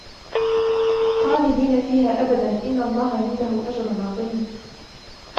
خالدين فيها أبدا إن الله عنده أجر عظيم